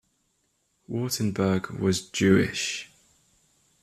Wartenberg was Jewish.